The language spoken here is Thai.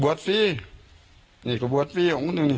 บวชก็บวชฟรี